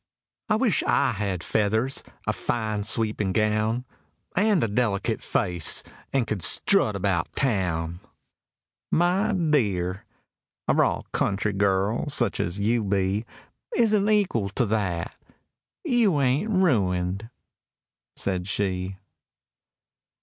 —"I wish I had feathers, a fine sweeping gown, And a delicate face, and could strut about Town!"— "My dear—a raw country girl, such as you be, Isn't equal to that. You ain't ruined," said she.